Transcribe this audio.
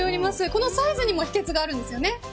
このサイズにも秘訣があるんですよね。